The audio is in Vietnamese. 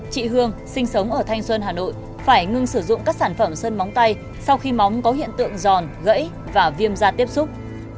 chị hương sinh sống ở thanh xuân hà nội phải ngưng sử dụng các sản phẩm sơn móng tay sau khi móng có hiện tượng giòn gãy và viêm da tiếp xúc